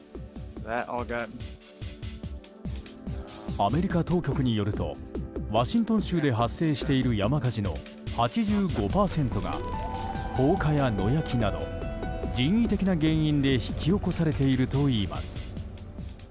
アメリカ当局によるとワシントン州で発生している山火事の８５％が、放火や野焼きなど人為的な原因で引き起こされているといいます。